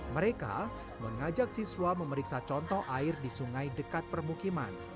mereka mengajak siswa memeriksa contoh air di sungai dekat permukiman